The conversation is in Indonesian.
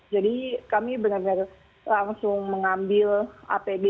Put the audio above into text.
jadi kami benar benar langsung mengambil apd